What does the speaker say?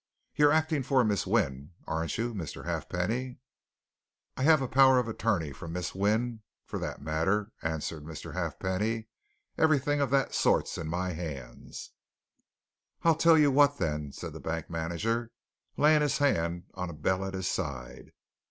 You're acting for Miss Wynne, aren't you, Mr. Halfpenny?" "I have a power of attorney from Miss Wynne, for that matter," answered Mr. Halfpenny. "Everything of that sort's in my hands." "I'll tell you what, then," said the bank manager, laying his hand on a bell at his side.